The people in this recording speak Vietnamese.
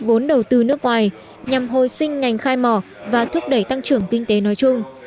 vốn đầu tư nước ngoài nhằm hồi sinh ngành khai mỏ và thúc đẩy tăng trưởng kinh tế nói chung